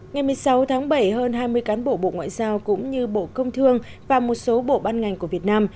ngày một mươi sáu tháng bảy hơn hai mươi cán bộ bộ ngoại giao cũng như bộ công thương và một số bộ ban ngành của việt nam